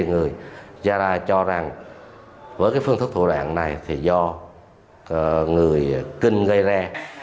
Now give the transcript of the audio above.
người gia rai cho rằng với phương thức thủ đoạn này thì do người kinh gây ra